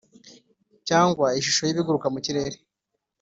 cyangwa ishusho y’ibiguruka mu kirere,